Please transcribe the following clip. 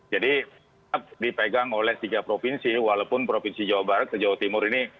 jadi dipegang oleh tiga provinsi walaupun provinsi jawa barat dan jawa timur ini